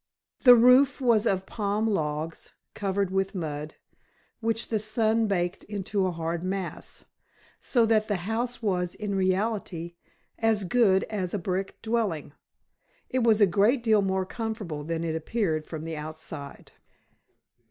The roof was of palm logs, covered with mud, which the sun baked into a hard mass, so that the house was in reality as good as a brick dwelling. It was a great deal more comfortable than it appeared from the outside.